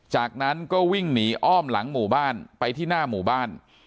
จากนั้นก็วิ่งหนีอ้อมหลังหมู่บ้านไปที่หน้าหมู่บ้าน